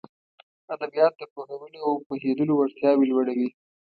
ادبيات د پوهولو او پوهېدلو وړتياوې لوړوي.